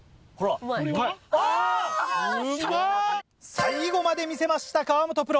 最後まで魅せました河本プロ。